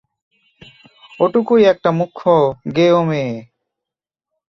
ওইটুকু একটা মুখ্য গেঁয়ো মেয়ে।